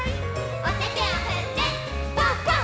おててをふってパンパン！